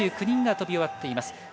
３９人が飛び終わっています。